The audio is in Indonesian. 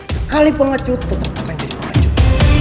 sekali pengecut tetap akan jadi pengecut